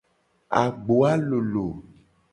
Agboa lolo.